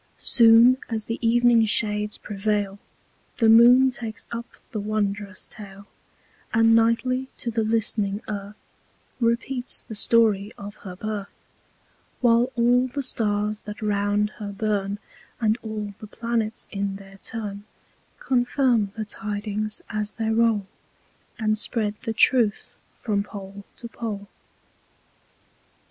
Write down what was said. Soon as the Evening Shades prevail, The Moon takes up the wondrous Tale, And nightly to the list'ning Earth, Repeats the Story of her Birth: While all the Stars that round her burn, And all the Planets in their Turn, Confirm the Tidings as they rowl, And spread the Truth from Pole to Pole.